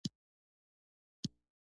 د وېښتیانو صحت خوراک پورې تړلی دی.